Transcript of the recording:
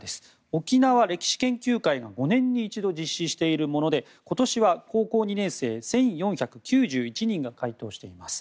沖縄歴史研究会が５年に一度実施しているもので今年は高校２年生、１４９１人が回答しています。